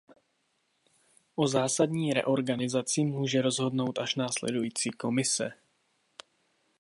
O zásadní reorganizaci může rozhodnout až následující Komise.